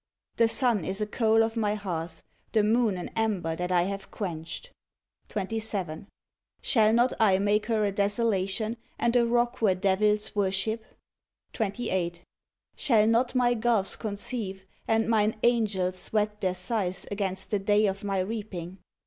The sun is a coal of My hearth, the moon an ember that I have quenched; 27. Shall not I make her a desolation, and a rock where devils worship*? 28. Shall not My gulfs conceive, and Mine angels whet their scythes against the day of My reap ing?